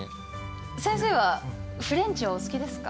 先生はフレンチはお好きですか？